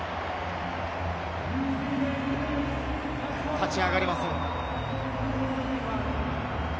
立ち上がれません。